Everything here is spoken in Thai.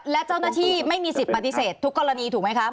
และเจ้าหน้าที่ไม่มีสิทธิ์ปฏิเสธทุกกรณีถูกไหมคะ